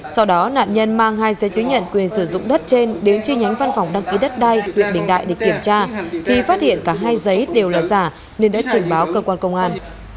sau đó nạn nhân mang hai giấy chứng nhận quyền sử dụng đất trên đến chi nhánh văn phòng đăng ký đất đai huyện bình đại để kiểm tra thì phát hiện cả hai giấy đều là giả nên đã trình báo cơ quan công an